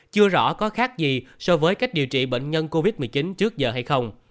chưa rõ có khác gì so với cách điều trị bệnh nhân covid một mươi chín trước giờ hay không